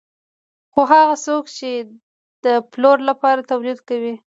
خو هغه څوک چې د پلور لپاره تولید کوي